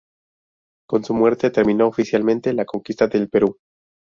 Con su muerte terminó oficialmente la Conquista del Perú.